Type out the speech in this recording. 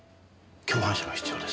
共犯者が必要です。